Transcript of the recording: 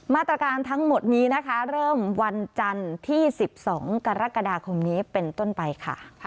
มาตรการทั้งหมดนี้นะคะเริ่มวันจันทร์ที่๑๒กรกฎาคมนี้เป็นต้นไปค่ะ